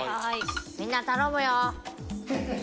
みんな頼むよ。